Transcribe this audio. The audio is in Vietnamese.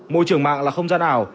môi trường mạng là không gian ảo